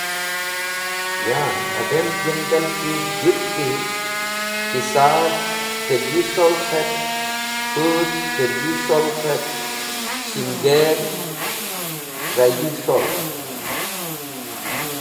Yan, adem jangal ki dek̃hti ki sar trẽ yi z̃holkh et pũdh trẽ yi z̃holkh et shinger trẽ yi z̃holkh.